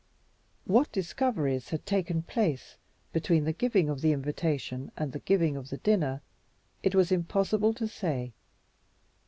What discoveries had taken place between the giving of the invitation and the giving of the dinner it was impossible to say.